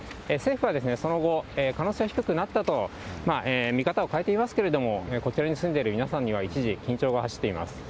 政府はその後、可能性は低くなったと見方を変えていますけれども、こちらに住んでいる皆さんには、一時、緊張が走っています。